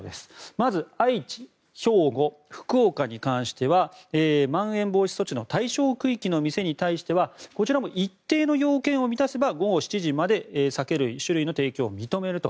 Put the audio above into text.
まず愛知、兵庫、福岡に関してはまん延防止措置の対象区域の店に関してはこちらも一定の要件を満たせば午後７時まで酒類の提供を認めると。